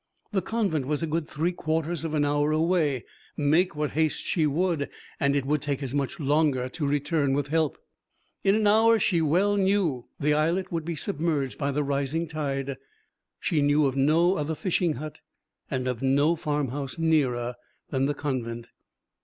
The convent was a good three quarters of an hour away, make what haste she would, and it would take as much longer to return with help. In an hour, she well knew, the islet would be submerged by the rising tide. She knew of no other fishing hut and of no farmhouse nearer than the convent.